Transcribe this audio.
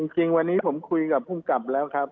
จริงวันนี้ผมคุยกับภูมิกับแล้วครับ